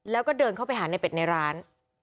แล้วก็เดินเข้าไปหาในเป็ดในร้าน